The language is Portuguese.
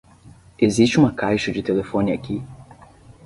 Existe uma caixa de telefone aqui?